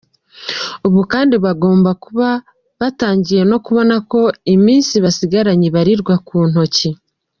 Ubu kandi bagomba kuba batangiye no kubona ko iminsi basigaranye ibarirwa ku ntoki.